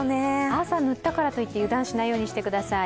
朝塗ったからといって油断しないようにしてください。